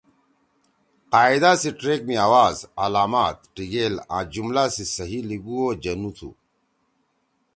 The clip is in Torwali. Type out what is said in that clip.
قاعدہ سی ٹریک می آواز، علامات/ ٹیِگیل آں جُملا سی سہی لیِگُو او جنُو تُھو۔